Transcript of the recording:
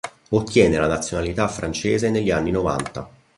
Ottiene la nazionalità francese negli anni Novanta.